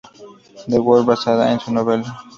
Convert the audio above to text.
The World, basada en su novela.